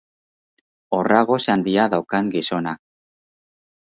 Horra gose handia daukan gizona.